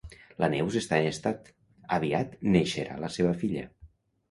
La Neus està en estat, aviat neixerà la seva filla